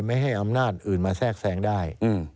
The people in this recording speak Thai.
ไม่ให้อำนาจอื่นมาแทรกแทรงได้